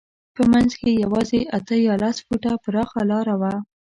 په منځ کې یې یوازې اته یا لس فوټه پراخه لاره وه.